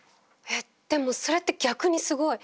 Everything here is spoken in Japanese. えっでもそれって逆にすごい。